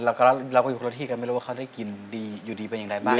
เราก็อยู่คนละที่กันไม่รู้ว่าเขาได้กินดีอยู่ดีเป็นอย่างไรบ้าง